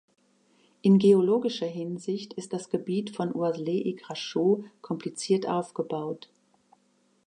In geologischer Hinsicht ist das Gebiet von Oiselay-et-Grachaux kompliziert aufgebaut.